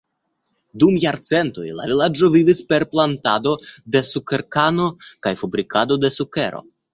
Dum jarcentoj, la vilaĝo vivis per plantado de sukerkano kaj fabrikado de sukero.